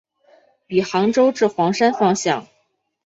以杭州至黄山方向。